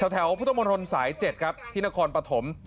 แถวพุทธมนตรสาย๗ครับที่นครปฐม